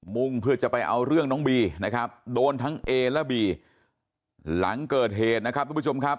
มุ่งเพื่อจะไปเอาเรื่องน้องบีนะครับโดนทั้งเอและบีหลังเกิดเหตุนะครับทุกผู้ชมครับ